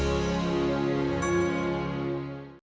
tapi dekat di doa